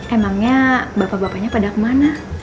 emangnya bapak bapaknya pada kemana